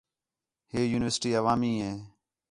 ہے یونیورسٹی عوامی ہے